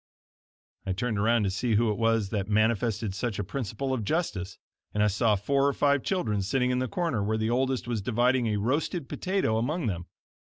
I turned around to see who it was that manifested such a principle of justice, and I saw four or five children sitting in the corner, where the oldest was dividing a roasted potato among them.